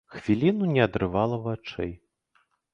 Хвіліну не адрывала вачэй.